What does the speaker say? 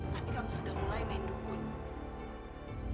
tapi kamu sudah mulai main dukun